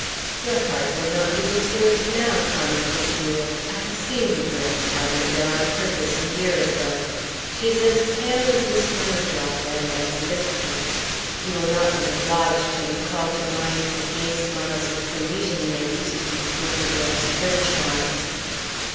"Your heart will not be disturbed now," commented Felix. "I have seen the girl. I went there on purpose a year ago. She's as pale as a snow drop and as listless. You will not be obliged to recall to mind the gay smiles of Parisian ladies to be proof against her charms."